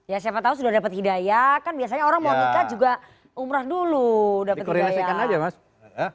ya siapa tahu sudah dapat hidayah kan biasanya orang mau nikah juga umrah dulu dapat hidayah